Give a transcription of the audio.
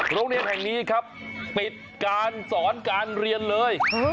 โรงเรียนแห่งนี้ครับปิดการสอนการเรียนเลย